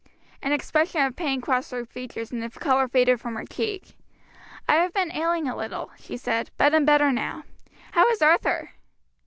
An expression of pain crossed her features and the color faded from her cheek. "I have been ailing a little," she said, "but am better now. How is Arthur?"